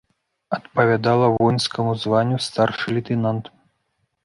Адпавядала воінскаму званню старшы лейтэнант.